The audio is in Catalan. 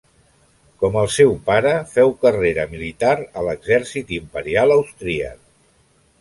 Com el seu pare, féu carrera militar a l'exèrcit imperial austríac.